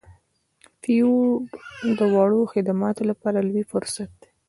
فیور د وړو خدماتو لپاره لوی فرصت دی.